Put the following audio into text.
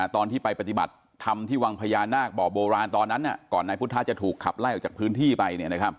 ตอนที่ไปปฏิบัติธรรมที่วังพญานาคบ่อโบราณตอนนั้นก่อนนายพุทธะจะถูกขับไล่ออกจากพื้นที่ไป